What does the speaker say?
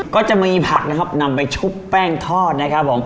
ก็จะมีผักนะครับนำไปชุบแป้งทอดนะครับผม